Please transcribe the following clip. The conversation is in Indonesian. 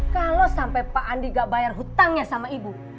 kalau sampai pak andi gak bayar hutangnya sama ibu